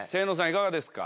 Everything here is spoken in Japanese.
いかがですか？